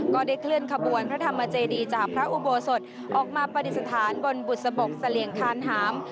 ก็ได้เคลื่อนขบวนพระธรรมเจดีจากพระอุโบสถออกมาปฏิสถานบนบุษบกเสลี่ยงคานหาม